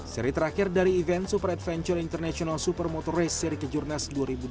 seri terakhir dari event super adventure international super motor race seri kejurnas dua ribu dua puluh